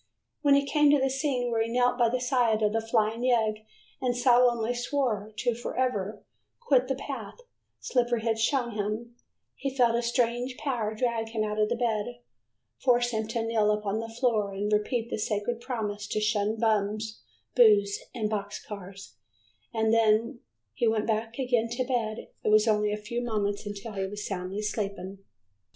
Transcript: When he came to the scene where he knelt by the side of the flying yegg and solemnly swore to forever quit the path Slippery had shown him, he felt a strange power drag him out of the bed, force him to kneel upon the floor and repeat the sacred promise to shun Bums, Booze and Boxcars and then, when he went again to bed, it was only a few moments until he was soundly sleeping.